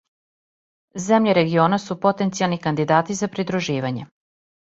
Земље региона су потенцијални кандидати за придруживање.